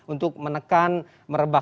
untuk menekan merebak